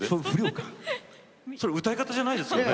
それ歌い方じゃないですよね。